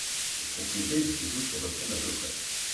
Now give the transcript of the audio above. Les propriétés de ces eaux se ressemblent à peu près.